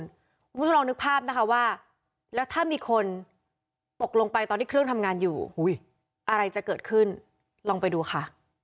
คุณผู้ชมลองนึกภาพนะคะว่าแล้วถ้ามีคนตกลงไปตอนที่เครื่องทำงานอยู่อะไรจะเกิดขึ้นลองไปดูค่ะ